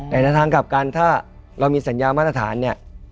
แต่ในทางกลับกันถ้าเรามีสัญญามาตรฐานเนี่ย